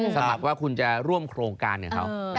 สมัครว่าคุณจะร่วมโครงการกับเขา